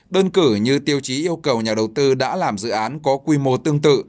đơn cử như tiêu chí yêu cầu nhà đầu tư đã làm dự án có quy mô tương tự